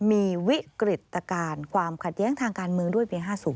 มีวิกฤตการณ์ความขัดแย้งทางการเมืองด้วยปี๕๐